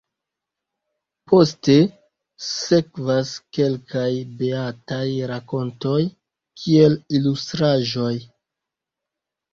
Poste sekvas kelkaj beataj rakontoj kiel ilustraĵoj.